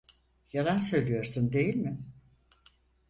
Yalan söylüyorsun, değil mi?